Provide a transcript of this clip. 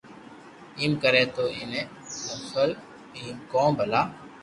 ايم ڪري تو ايتي نقل ايم ڪون ڀلا